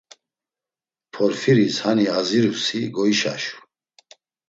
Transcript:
Porfiris hani azirusi goişaşu.